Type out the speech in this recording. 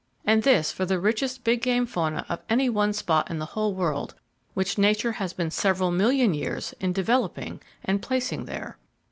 And this for the richest big game fauna of any one spot in the whole world, which Nature has been several million years in developing and placing there!